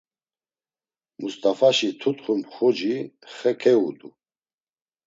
Must̆afaşi tutxu mxuci xe keudu.